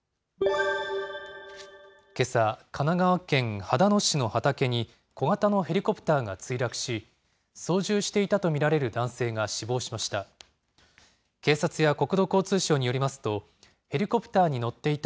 けさ、神奈川県秦野市の畑に、小型のヘリコプターが墜落し、操縦していたと見られる男性が死亡しました。